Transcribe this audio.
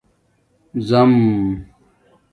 زَم